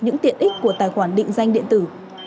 những tiện ích của tài khoản định danh điện tử